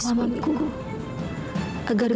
agar bisa memutuskan apa yang terbaik